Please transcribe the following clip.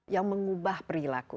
yang mengubah perilaku